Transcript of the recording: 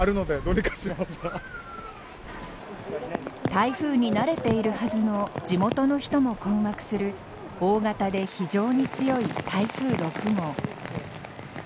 台風に慣れているはずの地元の人も困惑する大型で非常に強い台風６号。